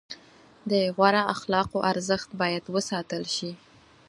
د غوره اخلاقو ارزښت باید وساتل شي.